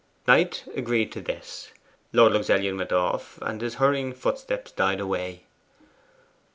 Knight agreed to this. Lord Luxellian then went off, and his hurrying footsteps died away.